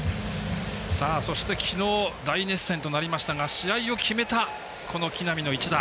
そして昨日大熱戦となりましたが試合を決めた木浪の一打。